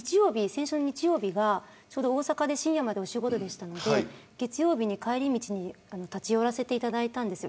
先週の日曜日が大阪で深夜までお仕事だったので月曜日に帰り道に立ち寄らせていただいたんです。